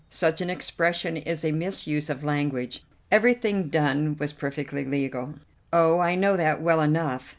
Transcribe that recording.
Such an expression is a misuse of language. Everything done was perfectly legal." "Oh, I know that well enough.